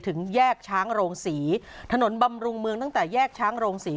ถึงแยกช้างโรงศรีถนนบำรุงเมืองตั้งแต่แยกช้างโรงศรี